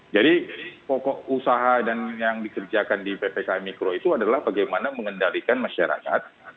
jadi pokok usaha yang dikerjakan di ppkm mikro itu adalah bagaimana mengendalikan masyarakat